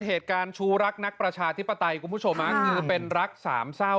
ชูรักนักประชาธิปไตยคุณผู้ชมคือเป็นรักสามเศร้า